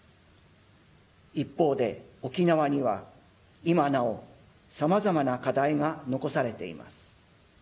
一方で、沖縄には今なお、さまざまな課題が残されています。